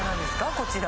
こちら。